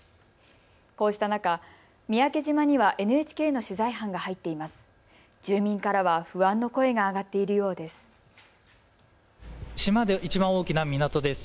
こうした中、三宅島にはＮＨＫの取材班が入っています。